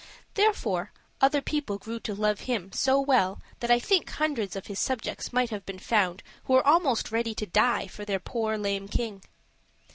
Therefore other people grew to love him so well that I think hundreds of his subjects might have been found who were almost ready to die for their poor lame king.